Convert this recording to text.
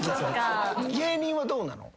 芸人はどうなの？